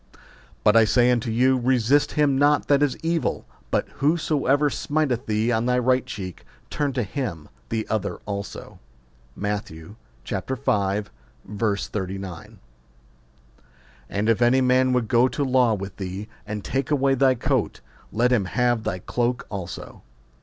But I say unto you, Resist not him that is evil : but whoso ever smiteth thee on thy right cheek, turn to him the other also. Matt. v. 39. And if any man would go to law with thee, and take away thy coat, let him have thy cloke also.